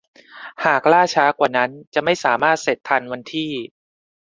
หากล่าช้ากว่านั้นจะไม่สามารถเสร็จทันวันที่